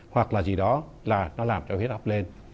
hoặc là gì đó là nó làm cho huyết học lên